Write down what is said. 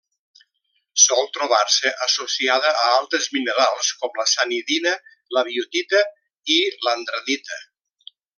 Sol trobar-se associada a altres minerals com la sanidina, la biotita i l'andradita.